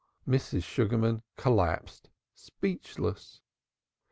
Mrs. Sugarman collapsed, speechless.